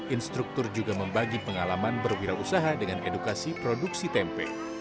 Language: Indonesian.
instruktur juga membagi pengalaman berwirausaha dengan edukasi produksi tempe